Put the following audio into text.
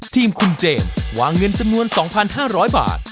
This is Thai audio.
ทีมคุณเจมส์วางเงินจำนวน๒๕๐๐บาท